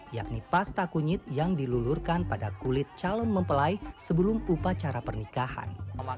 yakni pasta kunyit yang dilulurkan pada kulit calon mempelai sebelum upacara pernikahan